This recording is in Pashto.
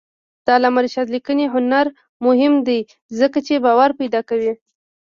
د علامه رشاد لیکنی هنر مهم دی ځکه چې باور پیدا کوي.